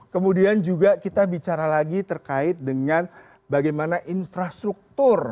kemudian juga kita bicara lagi terkait dengan bagaimana infrastruktur